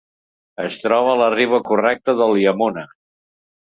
Es troba a la riba correcta del Yamuna.